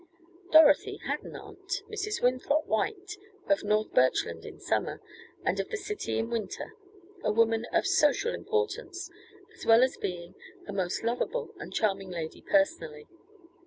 Dorothy had an aunt, Mrs. Winthrop White, of North Birchland in summer, and of the city in winter, a woman of social importance, as well as being a most lovable and charming lady personally.